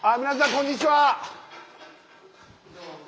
こんにちは。